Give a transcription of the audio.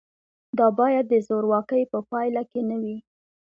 دا باید د زورواکۍ په پایله کې نه وي.